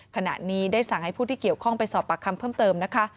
ขณะนี้ได้สั่งให้ผู้ที่เกี่ยวข้องไปสอบปากคำเพิ่มเติมนะคะ